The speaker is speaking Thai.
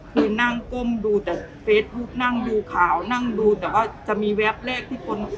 คือนั่งก้มดูแต่เฟซบุ๊กนั่งดูข่าวนั่งดูแต่ว่าจะมีแวบแรกที่คน